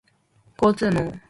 交通網